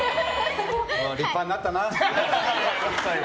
立派になったな。